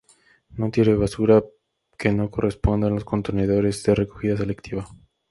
No tire basura que no corresponda en los contenedores de recogida selectiva.